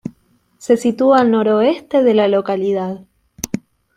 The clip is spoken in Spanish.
Se sitúa al noroeste de la localidad.